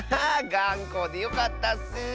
がんこでよかったッス。